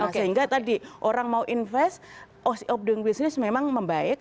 sehingga tadi orang mau investasi memang membaik